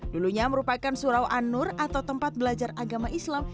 dulunya merupakan surau anur atau tempat belajar agama islam